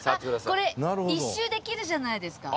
これ１周できるじゃないですか。